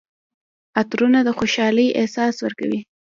عطرونه د خوشحالۍ احساس ورکوي.